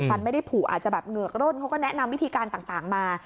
ไม่ได้ผูกอาจจะแบบเหงือกร่นเขาก็แนะนำวิธีการต่างมา